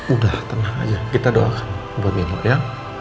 udah tenang aja kita do'a ya